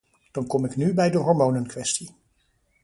Dan kom ik nu bij de hormonenkwestie.